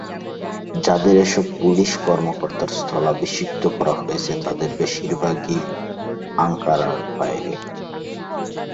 যাঁদের এসব পুলিশ কর্মকর্তার স্থলাভিষিক্ত করা হয়েছে, তাঁদের বেশির ভাগই আঙ্কারার বাইরের।